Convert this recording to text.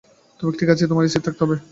ঠিক আছি তোমাকে স্থির থাকতে হবে।